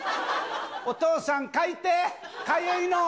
お父さん、かいて、かゆいの。